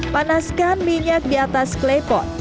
panaskan minyak di atas klepot